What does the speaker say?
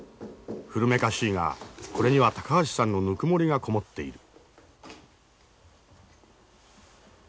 古めかしいがこれには高橋さんのぬくもりがこもっている。